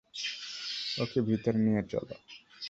ওকে ভিতরে নিয়ে চলো।